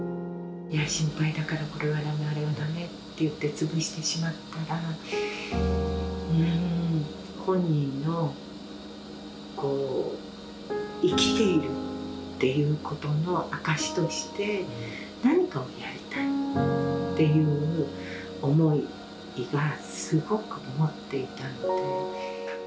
心配だから、これはだめ、あれはだめって言って潰してしまったら、本人の生きているっていうことの証しとして、何かをやりたいっていう思いがすごく持っていたので。